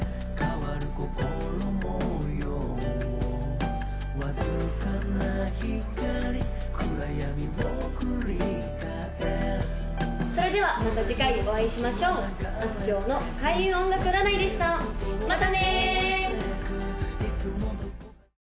わずかな光暗闇を繰り返すそれではまた次回にお会いしましょうあすきょうの開運音楽占いでしたまたね！